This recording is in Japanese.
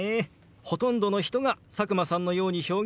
ほとんどの人が佐久間さんのように表現すると思います。